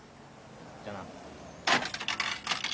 じゃあな。